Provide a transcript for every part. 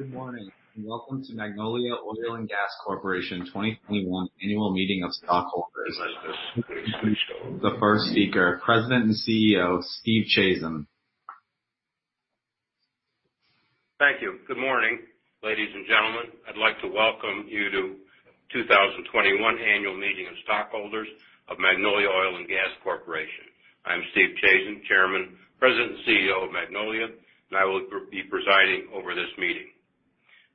Good morning, welcome to Magnolia Oil & Gas Corporation 2021 Annual Meeting of Stockholders. The first speaker, President and CEO, Stephen Chazen. Thank you. Good morning, ladies and gentlemen. I'd like to welcome you to 2021 Annual Meeting of Stockholders of Magnolia Oil & Gas Corporation. I'm Steve Chazen, Chairman, President, and CEO of Magnolia, and I will be presiding over this meeting.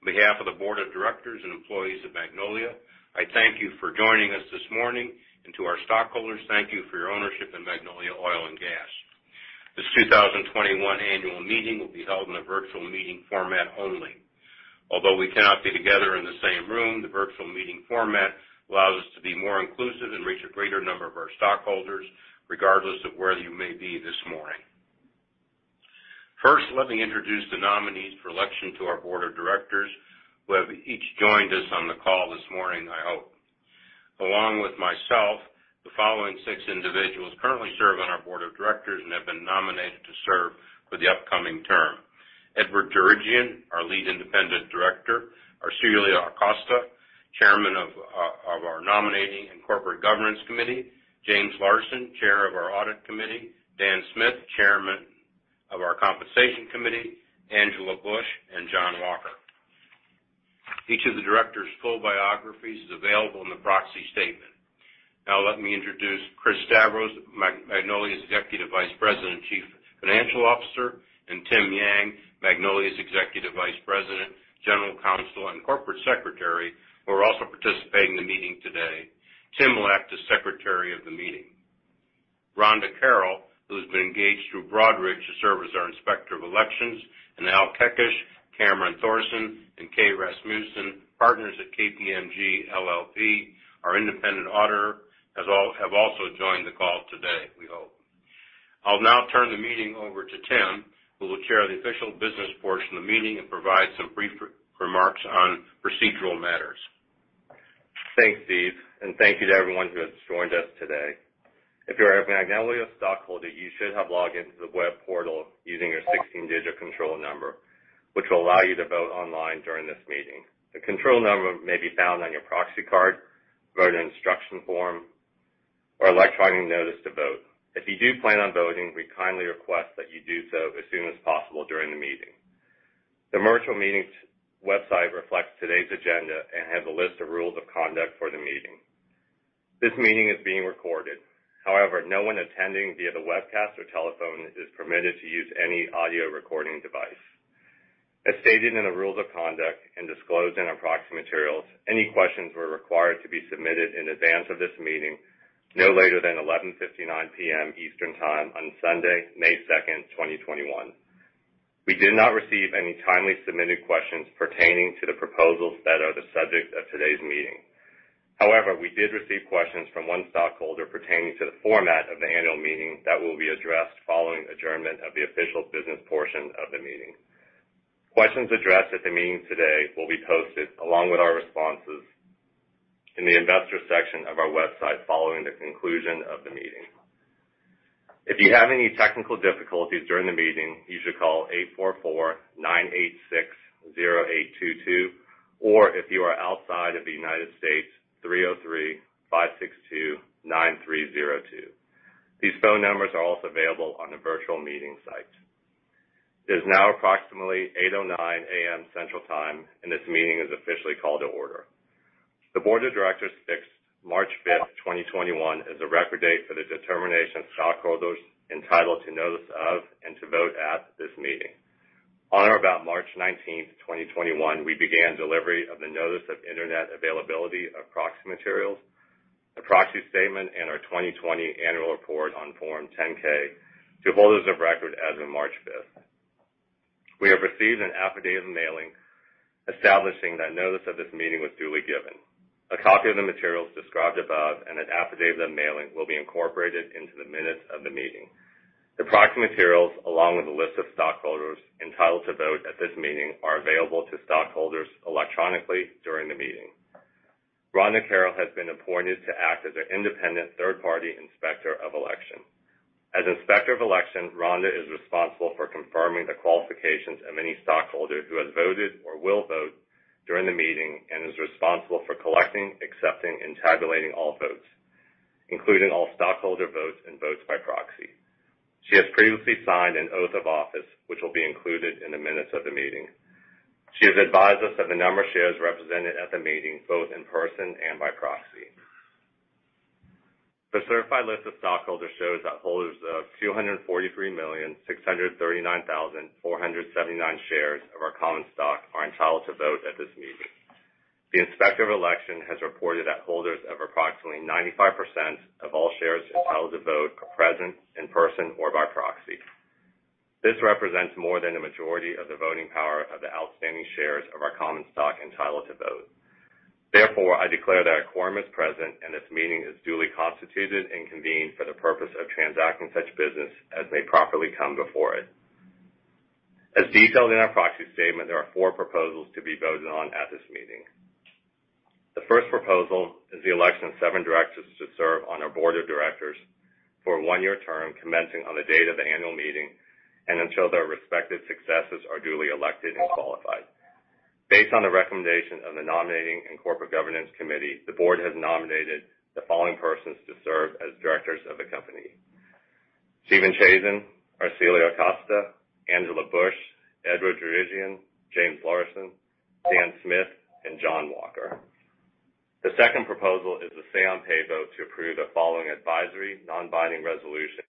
On behalf of the board of directors and employees of Magnolia, I thank you for joining us this morning. To our stockholders, thank you for your ownership in Magnolia Oil & Gas. This 2021 annual meeting will be held in a virtual meeting format only. Although we cannot be together in the same room, the virtual meeting format allows us to be more inclusive and reach a greater number of our stockholders, regardless of where you may be this morning. First, let me introduce the nominees for election to our board of directors, who have each joined us on the call this morning, I hope. Along with myself, the following six individuals currently serve on our board of directors and have been nominated to serve for the upcoming term. Edward P. Djerejian, our Lead Independent Director. Arcilia C. Acosta, Chairman of our Nominating and Corporate Governance Committee. James R. Larson, Chair of our Audit Committee. Dan F. Smith, Chairman of our Compensation Committee. Angela Busch, and John B. Walker. Each of the directors' full biographies is available in the proxy statement. Now let me introduce Christopher G. Stavros, Magnolia's Executive Vice President and Chief Financial Officer, and Timothy D. Yang, Magnolia's Executive Vice President, General Counsel, and Corporate Secretary, who are also participating in the meeting today. Tim will act as Secretary of the meeting. Rhonda Carroll, who has been engaged through Broadridge to serve as our Inspector of Elections, and Al Kaekesh, Cameron Thorsen, and Kay Rasmussen, partners at KPMG LLP, our independent auditor, have also joined the call today, we hope. I'll now turn the meeting over to Tim, who will chair the official business portion of the meeting and provide some brief remarks on procedural matters. Thanks, Steve, and thank you to everyone who has joined us today. If you are a Magnolia stockholder, you should have logged into the web portal using your 16-digit control number, which will allow you to vote online during this meeting. The control number may be found on your proxy card, voting instruction form, or electronic notice to vote. If you do plan on voting, we kindly request that you do so as soon as possible during the meeting. The virtual meeting's website reflects today's agenda and has a list of rules of conduct for the meeting. This meeting is being recorded. However, no one attending via the webcast or telephone is permitted to use any audio recording device. As stated in the rules of conduct and disclosed in our proxy materials, any questions were required to be submitted in advance of this meeting no later than 11:59 P.M. Eastern Time on Sunday, May 2, 2021. We did not receive any timely submitted questions pertaining to the proposals that are the subject of today's meeting. However, we did receive questions from one stockholder pertaining to the format of the annual meeting that will be addressed following adjournment of the official business portion of the meeting. Questions addressed at the meeting today will be posted along with our responses in the investor section of our website following the conclusion of the meeting. If you have any technical difficulties during the meeting, you should call 844-986-0822, or if you are outside of the United States, 303-562-9302. These phone numbers are also available on the virtual meeting site. It is now approximately 8:09 A.M Central Time, and this meeting is officially called to order. The board of directors fixed March 5, 2021 as a record date for the determination of stockholders entitled to notice of and to vote at this meeting. On or about March 19, 2021, we began delivery of the notice of internet availability of proxy materials, a proxy statement, and our 2020 annual report on Form 10-K, to holders of record as of March 5, 2021. We have received an affidavit of mailing establishing that notice of this meeting was duly given. A copy of the materials described above and an affidavit of the mailing will be incorporated into the minutes of the meeting. The proxy materials, along with a list of stockholders entitled to vote at this meeting, are available to stockholders electronically during the meeting. Rhonda Carroll has been appointed to act as an independent third-party Inspector of Election. As Inspector of Election, Rhonda is responsible for confirming the qualifications of any stockholder who has voted or will vote during the meeting and is responsible for collecting, accepting, and tabulating all votes, including all stockholder votes and votes by proxy. She has previously signed an oath of office, which will be included in the minutes of the meeting. She has advised us of the number of shares represented at the meeting, both in person and by proxy. The certified list of stockholders shows that holders of 243,639,479 shares of our common stock are entitled to vote at this meeting. The Inspector of Election has reported that holders of approximately 95% of all shares entitled to vote are present in person or by proxy. This represents more than a majority of the voting power of the outstanding shares of our common stock entitled to vote. Therefore, I declare that a quorum is present and this meeting is duly constituted and convened for the purpose of transacting such business as may properly come before it. As detailed in our proxy statement, there are four proposals to be voted on at this meeting. The first proposal is the election of seven directors to serve on our board of directors for a one-year term, commencing on the date of the annual meeting and until their respective successors are duly elected and qualified. Based on the recommendation of the nominating and corporate governance committee, the board has nominated the following persons to serve as directors of the company. Stephen Chazen, Arcilia C. Acosta, Angela Busch, Edward P. Djerejian, James R. Larson, Dan F. Smith, and John B. Walker. The second proposal is the say on pay vote to approve the following advisory non-binding resolution.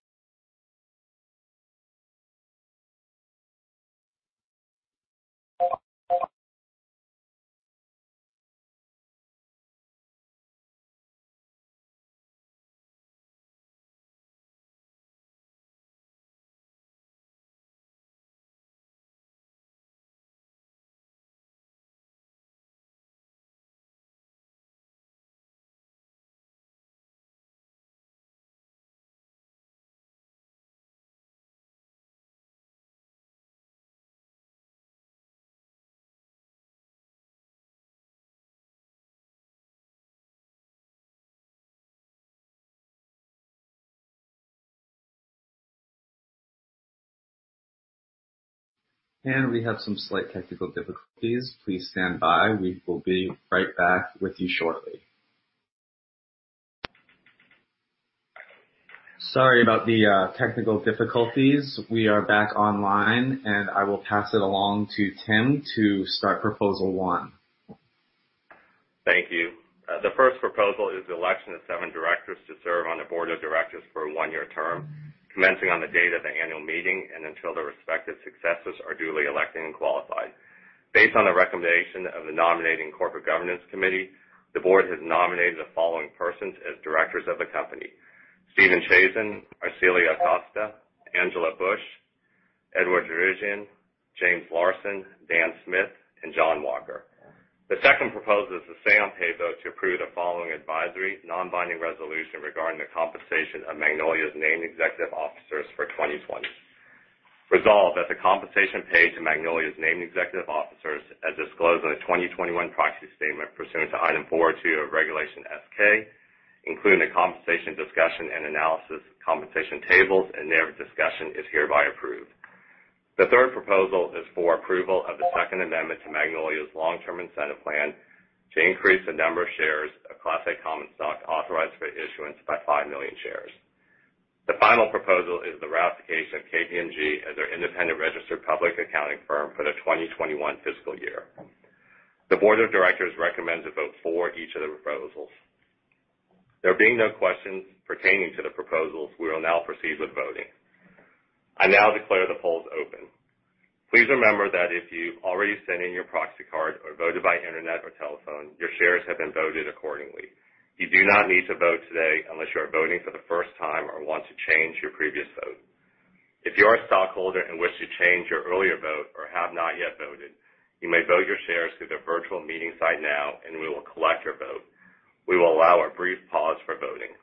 We have some slight technical difficulties. Please stand by. We will be right back with you shortly. Sorry about the technical difficulties. We are back online, and I will pass it along to Tim to start proposal one. Thank you. The first proposal is the election of seven directors to serve on the board of directors for a one-year term, commencing on the date of the annual meeting and until their respective successors are duly elected and qualified. Based on the recommendation of the Nominating and Corporate Governance Committee, the board has nominated the following persons as directors of the company. Stephen Chazen, Arcilia C. Acosta, Angela Busch, Edward P. Djerejian, James R. Larson, Dan F. Smith, and John B. Walker. The second proposal is the say on pay vote to approve the following advisory non-binding resolution regarding the compensation of Magnolia's named executive officers for 2020. Resolved as the compensation paid to Magnolia's named executive officers as disclosed in the 2021 proxy statement pursuant to Item 402 of Regulation S-K, including the ompensation Discussion and Analysis, compensation tables and their discussion is hereby approved. The third proposal is for approval of the second amendment to Magnolia's long-term incentive plan to increase the number of shares of Class A common stock authorized for issuance by 5 million shares. The final proposal is the ratification of KPMG as our independent registered public accounting firm for the 2021 fiscal year. The board of directors recommends a vote for each of the proposals. There being no questions pertaining to the proposals, we will now proceed with voting. I now declare the polls open. Please remember that if you've already sent in your proxy card or voted by internet or telephone, your shares have been voted accordingly. You do not need to vote today unless you are voting for the first time or want to change your previous vote. If you are a stockholder and wish to change your earlier vote or have not yet voted, you may vote your shares through the virtual meeting site now, and we will collect your vote. We will allow a brief pause for voting.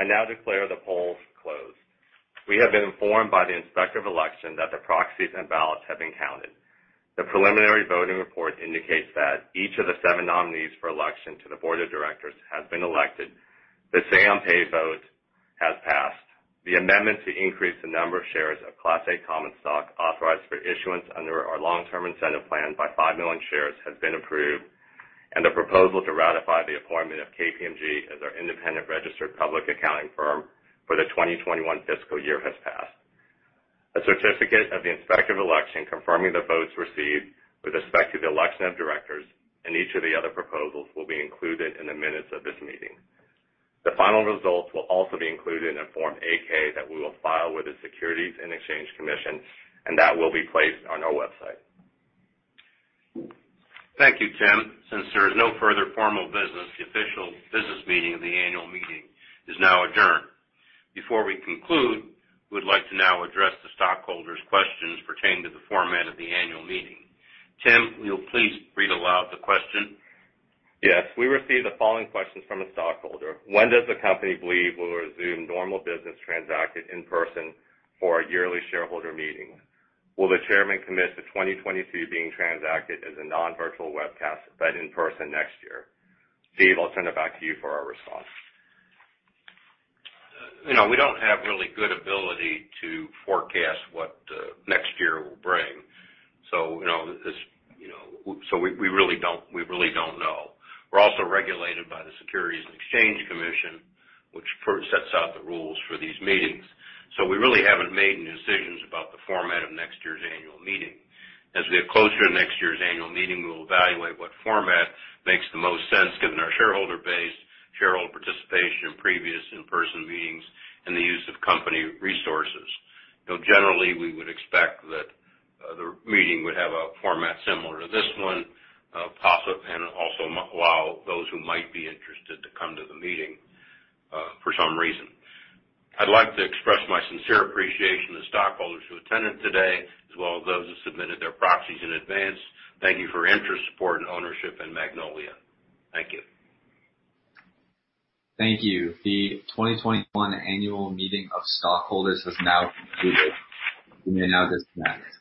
I now declare the polls closed. We have been informed by the Inspector of Elections that the proxies and ballots have been counted. The preliminary voting report indicates that each of the seven nominees for election to the board of directors has been elected. The say on pay vote has passed. The amendment to increase the number of shares of Class A common stock authorized for issuance under our long-term incentive plan by 5 million shares has been approved, and the proposal to ratify the appointment of KPMG as our independent registered public accounting firm for the 2021 fiscal year has passed. A certificate of the Inspector of Election confirming the votes received with respect to the election of directors and each of the other proposals will be included in the minutes of this meeting. The final results will also be included in a Form 8-K, that we will file with the Securities and Exchange Commission, and that will be placed on our website. Thank you, Tim. There is no further formal business, the official business meeting of the annual meeting is now adjourned. Before we conclude, we would like to now address the stockholders' questions pertaining to the format of the annual meeting. Tim, will you please read aloud the question? Yes. We received the following questions from a stockholder. When does the company believe we'll resume normal business transacted in person for our yearly shareholder meeting? Will the chairman commit to 2022 being transacted as a non-virtual webcast but in person next year? Steve, I'll turn it back to you for our response. We don't have really good ability to forecast what next year will bring. We really don't know. We're also regulated by the Securities and Exchange Commission, which sets out the rules for these meetings. We really haven't made any decisions about the format of next year's annual meeting. As we get closer to next year's annual meeting, we will evaluate what format makes the most sense given our shareholder base, shareholder participation in previous in-person meetings, and the use of company resources. Generally, we would expect that the meeting would have a format similar to this one, and also allow those who might be interested to come to the meeting, for some reason. I'd like to express my sincere appreciation to stockholders who attended today, as well as those who submitted their proxies in advance. Thank you for your interest, support, and ownership in Magnolia. Thank you. Thank you. The 2021 annual meeting of stockholders has now concluded. You may now disconnect.